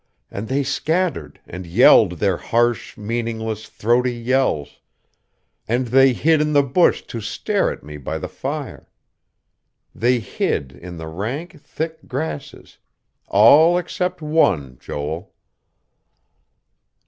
And they scattered, and yelled their harsh, meaningless, throaty yells. And they hid in the bush to stare at me by the fire.... They hid in the rank, thick grasses. All except one, Joel."